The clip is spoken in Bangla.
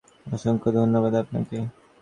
অসংখ্য ধন্যবাদ, আপনাকে।